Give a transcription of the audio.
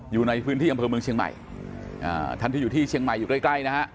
อยู่ในพื้นที่อำเภอเมืองเชียงใหม่ท่านที่อยู่ที่เชียงใหม่อยู่ใกล้ใกล้นะฮะ